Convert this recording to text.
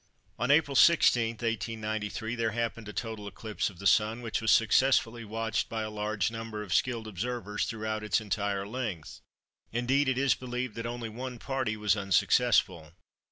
On April 16, 1893, there happened a total eclipse of the Sun, which was successfully watched by a large number of skilled observers throughout its entire length. Indeed it is believed that only one party was unsuccessful.